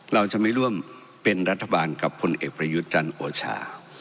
เราจะไม่ร่วมเป็นรัฐบาลกับคนเอกประยุทธ์จันทร์โอชา